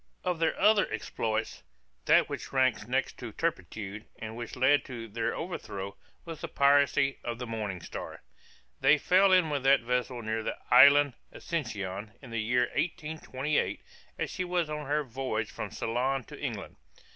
Of their other exploits, that which ranks next in turpitude, and which led to their overthrow, was the piracy of the Morning Star. They fell in with that vessel near the island Ascension, in the year 1828, as she was on her voyage from Ceylon to England.